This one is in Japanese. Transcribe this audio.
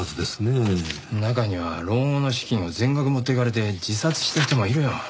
中には老後の資金を全額持っていかれて自殺した人もいるよ。